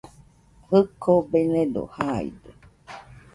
Jɨko benedo jaide